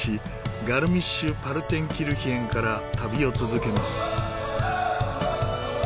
ガルミッシュ・パルテンキルヒェンから旅を続けます。